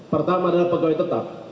pertama adalah pegawai tetap